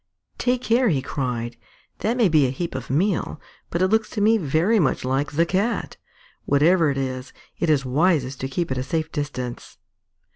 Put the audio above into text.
"Take care!" he cried. "That may be a heap of meal, but it looks to me very much like the Cat. Whatever it is, it is wisest to keep at a safe distance."